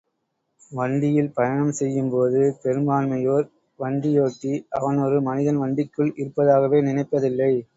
வண்டியில் பயணம் செய்யும் போது—பெரும்பான்மையோர் வண்டியோட்டி—அவன் ஒரு மனிதன் வண்டிக்குள் இருப்பதாகவே நினைப்பதில்லை.